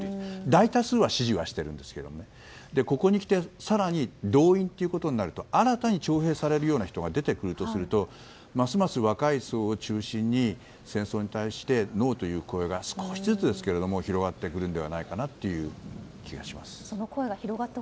大多数は支持しているんですがここにきて更に動員ということになると新たに徴兵されるような人が出てくるとするとますます若い層を中心に戦争に対してノーという声が少しずつですが広がっていくのではないかという気がします。